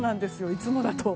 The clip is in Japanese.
いつもだと。